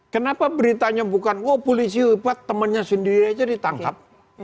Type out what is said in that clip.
kenapa beritanya bukan oh polisi hebat temannya sendiri aja ditangkap